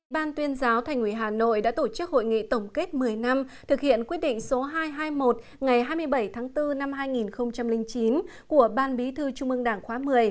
ban tuyên giáo thành ủy hà nội đã tổ chức hội nghị tổng kết một mươi năm thực hiện quyết định số hai trăm hai mươi một ngày hai mươi bảy tháng bốn năm hai nghìn chín của ban bí thư trung ương đảng khóa một mươi